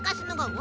わ！